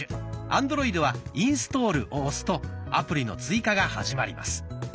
アンドロイドは「インストール」を押すとアプリの追加が始まります。